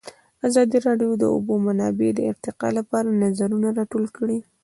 ازادي راډیو د د اوبو منابع د ارتقا لپاره نظرونه راټول کړي.